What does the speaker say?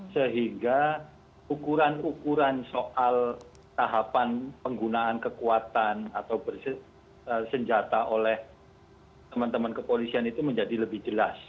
sehingga ukuran ukuran soal tahapan penggunaan kekuatan atau bersenjata oleh teman teman kepolisian itu menjadi lebih jelas